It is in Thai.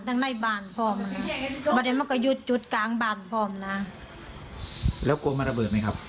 วันหนึ่งมันก็ยุดจุดกาลบาร์ดพร้อมล่ะแล้วกลัวมันระเบิดมั้ยครับ